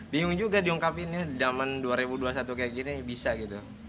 bingung juga diungkapinnya zaman dua ribu dua puluh satu kayak gini bisa gitu